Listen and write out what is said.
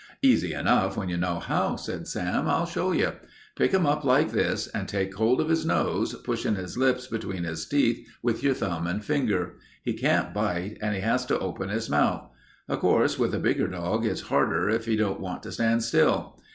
"Easy enough when you know how," said Sam. "I'll show you. Pick him up like this and take hold of his nose, pushin' his lips between his teeth with your thumb and fingers. He can't bite and he has to open his mouth. Of course, with a bigger dog it's harder if he don't want to stand still.